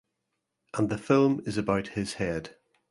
And the film is about his head.